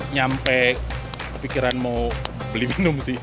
nyampe kepikiran mau beli minum sih